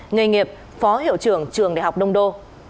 nghề nghiệp phó hiệu trưởng trường đại học đông đô